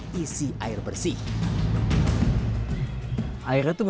akan tetapi hujan beberapa hari nyatanya tak membuat sungur di ruah ros tadaah